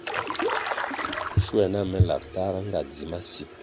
Schuer na me lab tahra nga dzi masi.